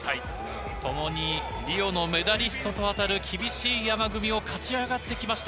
ともにリオのメダリストと当たる厳しい山組を勝ち上がってきました。